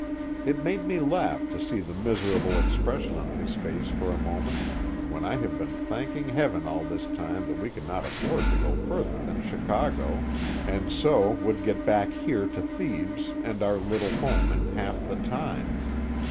It made me laugh to see the miserable expression on his face for a moment, when I have been thanking Heaven all this time that we could not afford to go further than Chicago, and so would get back here to Thebes and our little home in half the time.